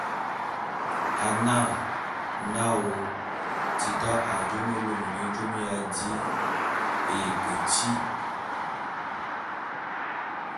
A na, naôô ! Tita a jô na ô lôme nye jôme ya di a ye keti.